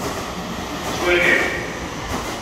Tettwalim-t?